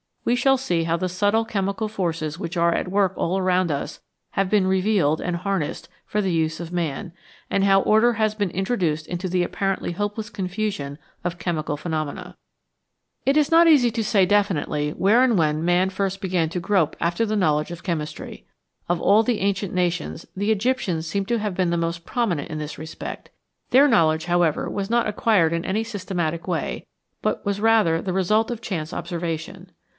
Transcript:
We shall see how the subtle chemical forces which are at work all around us have been revealed and harnessed for the use of man, and how order has been introduced into the apparently hopeless confusion of chemical phenomena. 17 B THE DAWN OF CHEMISTRY It is not easy to say definitely where and when man first began to grope after the knowledge of chemistry. Of all the ancient nations the Egyptians seem to have been the most prominent in this respect ; their knowledge, however, was not acquired in any systematic way, but wa$ rather the result of chance observation.